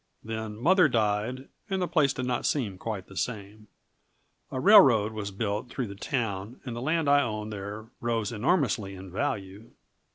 Then mother died and the place did not seem quite the same. A railroad was built through the town and the land I owned there rose enormously in value.